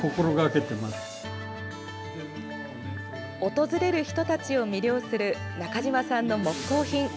訪れる人たちを魅了する中島さんの木工品。